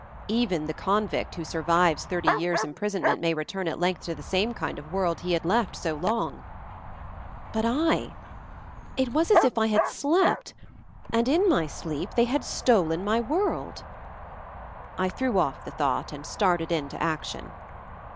Even the convict who survives thirty years imprisonment, may return at length to the same kind of world he had left so long. But I! It was as if I had slept, and, in my sleep, they had stolen my world. I threw off the thought, and started in to action.